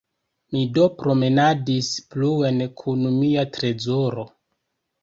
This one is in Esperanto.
Mi do promenadis pluen kun mia trezoro.